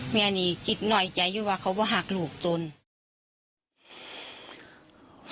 แม่นี่คิดหน่อยใจอยู่ว่าเขามาหักลูกตน